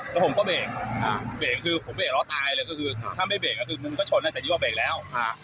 แล้วผมก็เบรกคือผมเบรกแล้วตายเลยก็คือถ้าไม่เบรกคือมึงก็ชนจากที่ว่าเบรกแล้ว